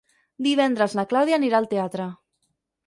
Divendres na Clàudia anirà al teatre.